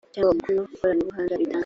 cyangwa umukono koranabuhanga bitanga